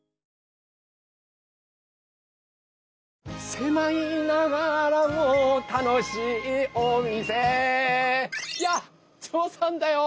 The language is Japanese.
「せまいながらも楽しいお店」やあチョーさんだよ！